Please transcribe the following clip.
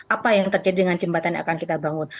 apa yang terjadi dengan jembatan yang akan kita bangun